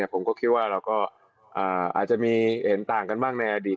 ผมก็คิดว่าเราก็อาจจะมีเห็นต่างกันบ้างในอดีต